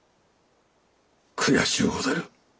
悔しゅうござる。